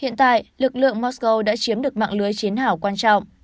hiện tại lực lượng mosco đã chiếm được mạng lưới chiến hảo quan trọng